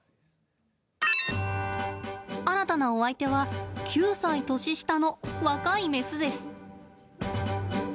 新たなお相手は９歳年下の若いメスです。